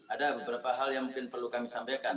ada beberapa hal yang mungkin perlu kami sampaikan